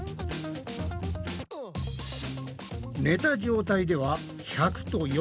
寝た状態では１００と４３。